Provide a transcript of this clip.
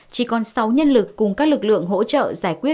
chỉ còn sáu nhân lực cùng các lực lượng hỗ trợ giải quyết các công việc